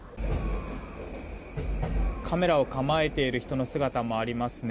カメラを構えている人の姿もありますね。